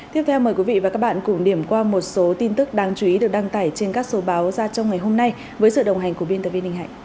tiếp theo mời quý vị và các bạn cùng điểm qua một số tin tức đáng chú ý được đăng tải trên các số báo ra trong ngày hôm nay với sự đồng hành của biên tập viên ninh hạnh